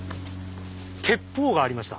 鉄砲がありました。